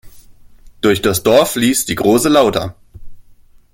Durch das Dorf fließt die Große Lauter.